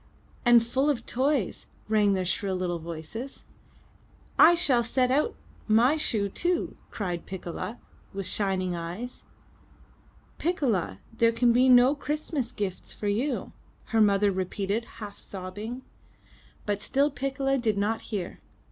*' '*And full of toys!*' rang their shrill little voices. '1 shall set out my shoe too!" cried Piccola with shining eyes. 'Ticcola, there can be no Christmas gifts for you!" her mother repeated half sobbing. But still Piccola did not hear.